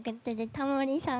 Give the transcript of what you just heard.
タモリさん